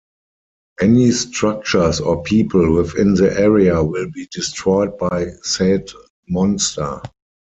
Any structures or people within the area will be destroyed by said monster.